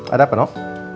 ada apa nek